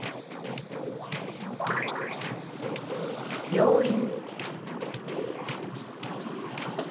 「病院」。